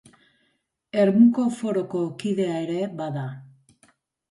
Ermuko Foroko kidea ere bada.